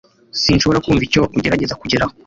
sinshobora kumva icyo ugerageza kugeraho